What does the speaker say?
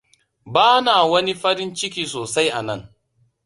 Ba na wani farin ciki sosai anan.